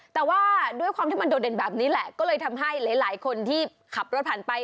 แต่ว่าด้วยความที่มันโดดเด่นแบบนี้แหละก็เลยทำให้หลายคนที่ขับรถผ่านไป